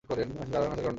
হাসার কারনটা আমিই।